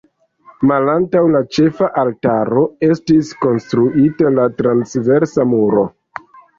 Malantaŭ la ĉefa altaro estis konstruita la transversa muro.